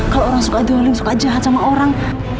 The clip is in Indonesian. kalo orang suka jahat sama orang